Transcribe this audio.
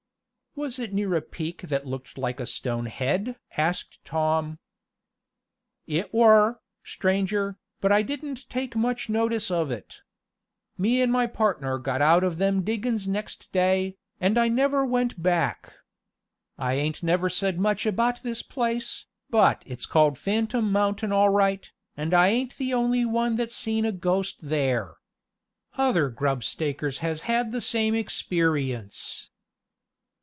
"Was it near a peak that looked like a stone head?" asked Tom. "It were, stranger, but I didn't take much notice of it. Me and my partner got out of them diggin's next day, and I never went back. I ain't never said much about this place, but it's called Phantom Mountain all right, and I ain't the only one that's seen a ghost there. Other grub stakers has had the same experience."